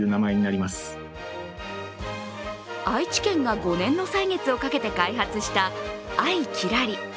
愛知県が５年の歳月をかけて開発した愛きらり。